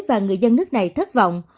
và người dân nước này thất vọng